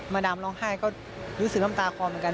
ดามร้องไห้ก็รู้สึกน้ำตาคอเหมือนกัน